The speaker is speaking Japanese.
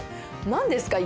「何ですか？